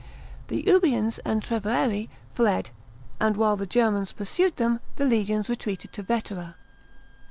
The Ubians and Treveri fled, and, while the Germans pursued them, the legions retreated to Vetera.